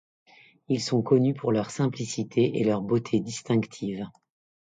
Ils sont connus pour leur simplicité et leur beauté distinctive.